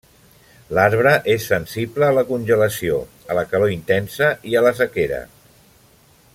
L'arbre és sensible a la congelació, a la calor intensa i a la sequera.